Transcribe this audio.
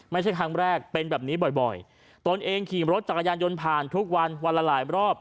ไม่ใช่ครั้งแรกเป็นแบบนี้บ่อยตนเองขี่รถจักรยานยนต์ผ่านทุกวันวันละหลายรอบ